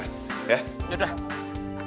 yaudah cepat ya kal ya